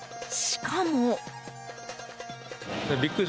しかも。